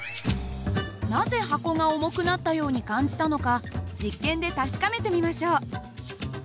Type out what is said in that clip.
なぜ箱が重くなったように感じたのか実験で確かめてみましょう。